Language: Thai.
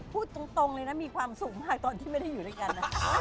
พูดตรงเลยนะมีความสุขมากตอนที่ไม่ได้อยู่ด้วยกันนะ